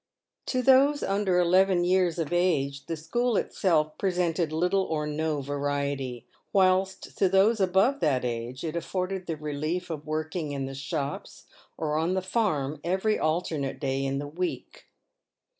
To those under eleven years of age the school itself presented little or no variety, whilst to those above that age it afforded the relief of working in the shops or on the farm every alternate day in the week.